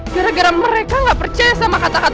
gara gara mereka gak percaya sama kata kata